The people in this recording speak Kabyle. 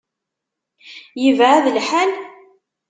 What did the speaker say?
Yebεed lḥal?